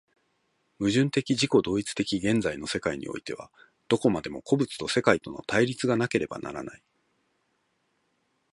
矛盾的自己同一的現在の世界においては、どこまでも個物と世界との対立がなければならない。